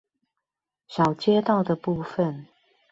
小街道的部分